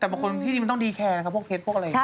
แต่บางคนที่ดีมันต้องดีแคร์นะครับพวกเท็จพวกอะไรอย่างนี้